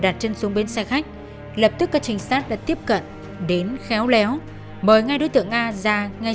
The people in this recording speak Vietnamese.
bắt đầu dùng bến xe khách lập tức các trinh sát đã tiếp cận đến khéo léo mời ngay đối tượng nga ra ngay